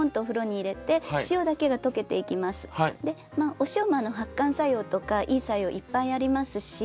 お塩も発汗作用とかいい作用いっぱいありますし